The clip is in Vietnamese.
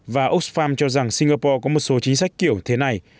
và oxfam cho rằng singapore có một số chính sách kiểu thế này